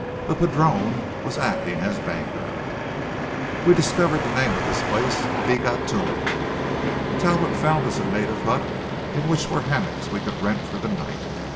The padrone was acting as banker! We discovered the name of this place to be Gatun. Talbot found us a native hut in which were hammocks we could rent for the night.